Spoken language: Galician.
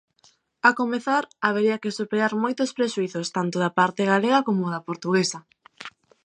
A comezar, habería que superar moitos prexuízos tanto da parte galega como da portuguesa.